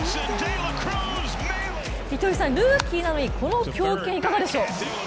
糸井さん、ルーキーなのにこの強肩、いかがでしょう？